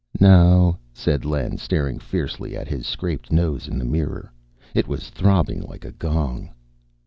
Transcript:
"No," said Len, staring fiercely at his scraped nose in the mirror. It was throbbing like a gong.